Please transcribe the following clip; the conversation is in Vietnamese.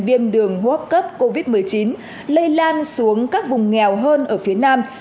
viêm đường hô hấp cấp covid một mươi chín lây lan xuống các vùng nghèo hơn ở phía nam